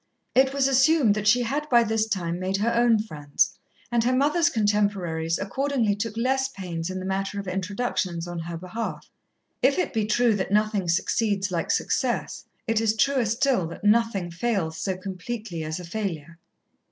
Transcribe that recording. It was assumed that she had by this time made her own friends, and her mother's contemporaries accordingly took less pains in the matter of introductions on her behalf. If it be true that nothing succeeds like success, it is truer still that nothing fails so completely as a failure.